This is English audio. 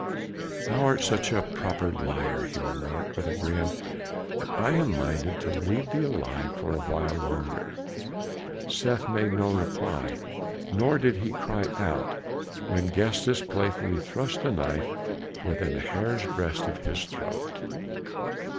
"Thou art such a proper liar," he remarked with a grin, "that I am minded to leave thee alive for a while longer." Seth made no reply, nor did he cry out when Gestas playfully thrust the knife within a hair's breadth of his throat.